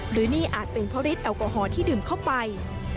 หรือนี่อาจเป็นเพราะฤทธแอลกอฮอลที่ดื่มเข้าไป